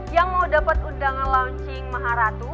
yang mau dapat undangan launching maharatu